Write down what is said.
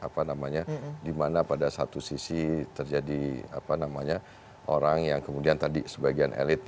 yang kemudian membiarkan bahkan ikut terlibat dengan proses pengerukan seluruh sumber daya yang kita miliki